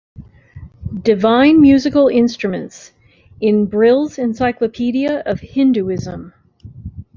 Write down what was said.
"Divine Musical Instruments." In "Brill's Encyclopedia of Hinduism".